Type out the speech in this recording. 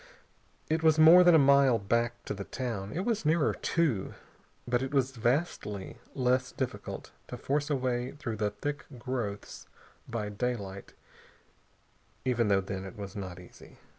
It was more than a mile back to the town. It was nearer two. But it was vastly less difficult to force a way through the thick growths by daylight, even though then it was not easy.